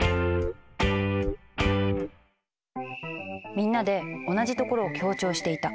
みんなで同じところを強調していた。